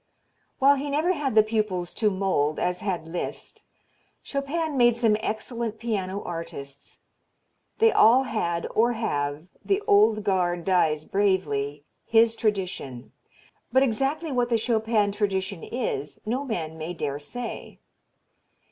While he never had the pupils to mould as had Liszt, Chopin made some excellent piano artists. They all had, or have the old guard dies bravely his tradition, but exactly what the Chopin tradition is no man may dare to say.